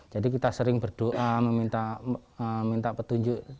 jadi kita sering berdoa meminta petunjuk